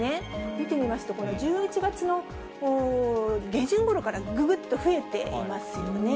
見てみますとこれ、１１月の下旬ごろからぐぐっと増えていますよね。